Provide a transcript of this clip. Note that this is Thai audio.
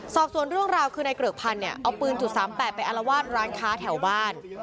สอบส่วนเรื่องราวคือนายเกริกพันธ์เนี่ยเอาปืน๓๘ไปอารวาสร้านค้าแถวบ้าน